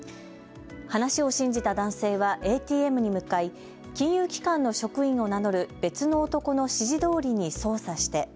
話を信じた男性はＡＴＭに向かい金融機関の職員を名乗る別の男の指示どおりに操作して。